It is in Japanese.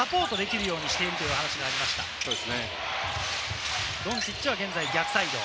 他のメンバーがサポートできるようにしているという話がありました。